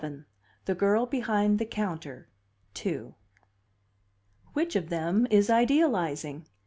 VII: The Girl Behind the Counter II "Which of them is idealizing?"